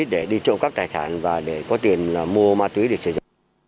để đi trộm cắp tài sản và để có tiền mua